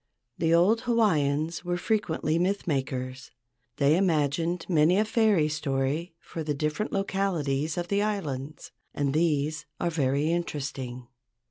The old Hawaiians were frequently myth makers. They imagined many a fairy story for the different localities of the islands, and these are very interesting.